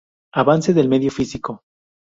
Avance del medio físico.